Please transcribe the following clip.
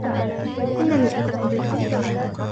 إنني أثق بك.